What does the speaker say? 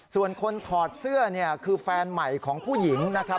ส่วนคนถอดเสื้อเนี่ยคือแฟนใหม่ของผู้หญิงนะครับ